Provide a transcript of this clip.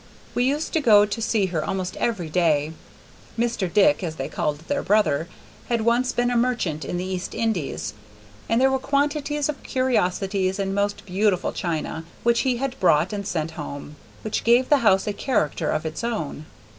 We used to go to see her almost every day. "Mr. Dick," as they called their brother, had once been a merchant in the East Indies, and there were quantities of curiosities and most beautiful china which he had brought and sent home, which gave the house a character of its own.